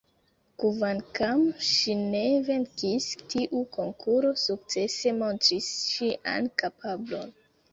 Kvankam ŝi ne venkis, tiu konkuro sukcese montris ŝian kapablon.